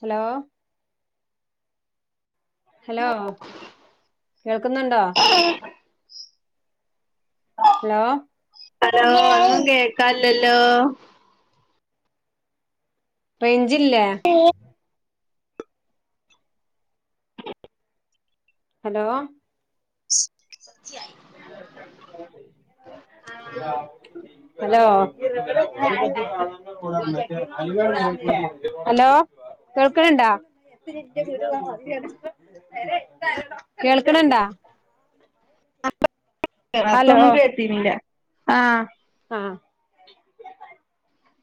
Hello hello കേൾക്കുന്നുണ്ടോ hello hello ഒന്നും കേക്കാല്ലല്ലോ?. റേയിഞ്ചില്ലേ?. ഓ ഹലോ [inaudible] ഹലോ [unintelligible] ഹലോ കേൾക്ക്ണ് ഇണ്ടാ?. കേൾക്കിണ് ഇണ്ടാ അ [unintelligible] [unintelligible] ഹലോ ത്തൊന്നും കേട്ടീല്ല ആഹ് ആഹ്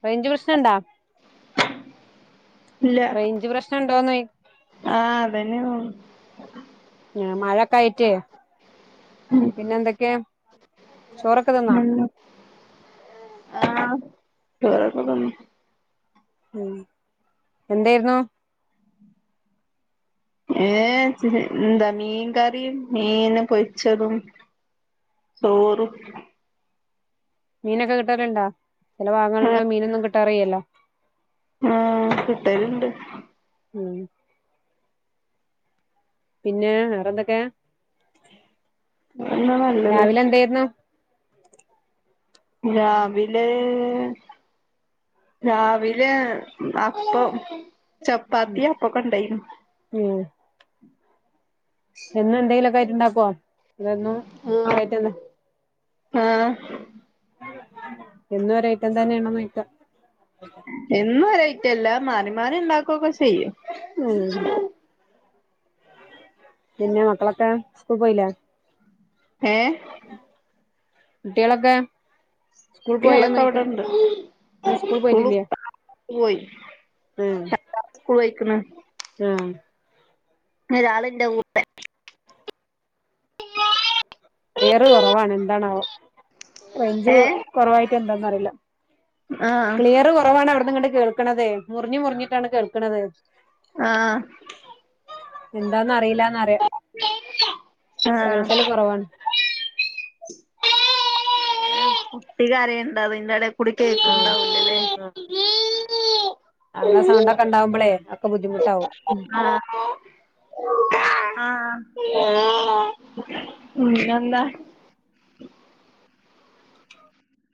റേയ്ഞ്ച് പ്രശ്ന ഇണ്ടാ. ഇല്ല റേയ്ഞ്ച് പ്രശ്നം ഇണ്ടോന്ന് ആഹ് അതന്നെ [unintelligible] മഴൊക്കെ ആയിട്ടേ തോന്നുന്നു. പിന്നെ എന്തൊക്കെയ ചോറൊക്കെ തിന്നോ ആഹ് ചോറക്ക തിന്ന് ഉം എന്തേർന്നു. ഏ എന്താ മീൻ കറിം മീന് പൊരിച്ചതും. ചോറും. മീനൊക്കെ കിട്ടാറുണ്ടാ ചില ഭാഗങ്ങളില് മീനൊന്നും കിട്ടാറെല്ലല്ലോ ഹെ കിട്ടല്ണ്ട്. ഉം പിന്നെ വേറെന്തൊക്കെ എന്നാ നല്ലത്. എന്തേര്ന്നു രാവിലെ രാവിലെ അപ്പം ചപ്പാത്തി അപ്പൊക്കെ ഉണ്ടെയിനു. ഉം എന്നും എന്തെങ്കിലുമൊക്കെ ആയിട്ട് ഉണ്ടാകൊ അതൊന്നും ആഹ് ആഹ് എന്നും ഒരേ ഐറ്റം തന്നെണ് ച്ചോയിക്ക എന്നും ഒരു ഐറ്റം അല്ല മാറി മാറി ഉണ്ടാക്കൊക്കെ ചെയ്യും. ഉം പിന്നെ മക്കളൊക്കെ സ്കൂൾ പോയില്ലേ ഏഹ് കുട്ട്യാളക്കെ കുട്ട്യാളക്കവിടെണ്ട് ഇന്ന് സ്കൂൾ സ്കുള് പോയി ഏഹ് സ്ക്കൂള് പോയിക്ക്ണ് ഏഹ ഒരാളിന്റെ മൂത്ത ക്ലിയർ കുറവാണ് എന്താണാവോ റയിഞ്ച് ഏ കുറവായിറ്റാ എന്താന്ന അറിയില്ല ആഹ് ക്ലിയർ കുറവാണ് അവിടന്ന് ഇങ്ങട്ട് കേൾക്കണത് മുറിഞ്ഞ് മുറിഞ്ഞ്ട്ടാണ് കേൾക്ക്ണത് ആഹ് എന്താന്ന് അറിയില്ലന്ന് പറയാ കേൾക്കല് ആഹ് കൊറവാണ് കുട്ടികാരയിണ്ട് അയിന്റെട കുടി ആഹ് കേക്ക്ണ്ടാവൂലല്ലേ ആഹ് അങ്ങനെ സൗണ്ട ഒക്കെ ഉണ്ടാവുമ്പളേ അപ്പോ ബുദ്ധിമുട്ടാവും ആഹ് ആഹ് അ പിന്നെ എന്താ